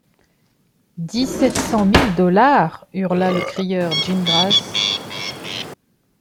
Dix-sept cent mille dollars ! hurla le crieur Gingrass.